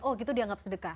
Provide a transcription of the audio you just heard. oh gitu dianggap sedekah